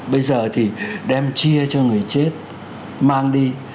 bây giờ thì đem chia cho người chết mang đi